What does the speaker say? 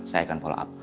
saya akan follow up